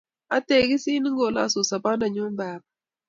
Ategisin, ingolosun sobondanyu baba